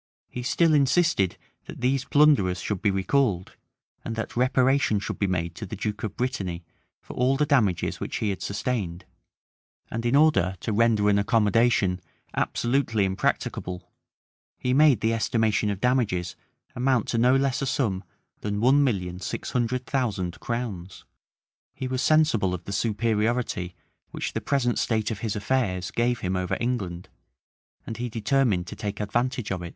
He still insisted that these plunderers should be recalled, and that reparation should be made to the duke of Brittany for all the damages which he had sustained: and in order to render an accommodation absolutely impracticable, he made the estimation of damages amount to no less a sum than one million six hundred thousand crowns. He was sensible of the superiority which the present state of his affairs gave him over England; and he determined to take advantage of it.